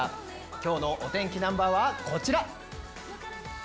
今日のお天気ナンバーはこちら！